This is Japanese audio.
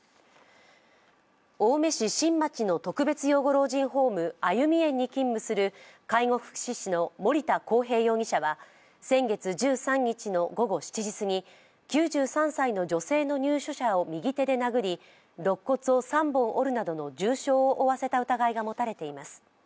青梅市新町の特別養護老人ホームあゆみえんに勤務する介護福祉士の森田航平容疑者は先月１３日の午後７時すぎ、９３歳の女性の入所者を右手で殴りろっ骨を３本折るなどの重傷を負わせた疑いが持たれています。